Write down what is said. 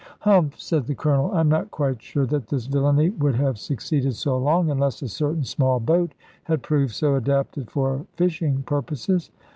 "Humph!" said the Colonel; "I am not quite sure that this villany would have succeeded so long, unless a certain small boat had proved so adapted for fishing purposes."